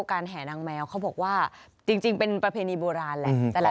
แห่นางแมวเขาบอกว่าจริงเป็นประเพณีโบราณแหละ